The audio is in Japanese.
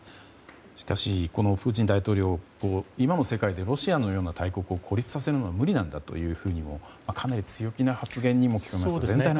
しかしプーチン大統領今の世界でロシアのような大国を孤立させるのは無理なんだとかなり強気な発言にも聞こえますが。